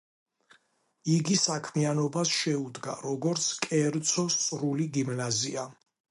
იგი საქმიანობას შეუდგა, როგორც კერძო სრული გიმნაზია.